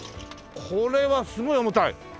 これはすごい重たい。